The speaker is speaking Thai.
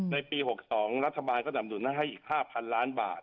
ในปี๖๒รัฐบาลก็ดำหนุนให้อีก๕๐๐ล้านบาท